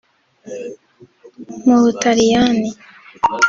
mu butaliyani